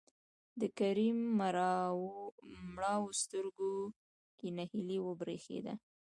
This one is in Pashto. د کريم مړاوو سترګو کې نهيلي وبرېښېده.